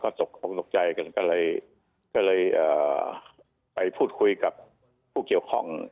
ตกคงตกใจกันก็เลยไปพูดคุยกับผู้เกี่ยวข้อง